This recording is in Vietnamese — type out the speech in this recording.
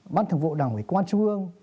bác thường vụ đảng quỳ quan trung ương